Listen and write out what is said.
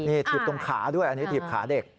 ถีบตรงขาด้วยอันนี้ถีบขาเด็กของเขา